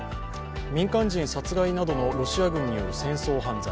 民間人殺害などのロシア軍による戦争犯罪。